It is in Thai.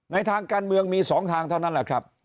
ทางการเมืองมี๒ทางเท่านั้นแหละครับ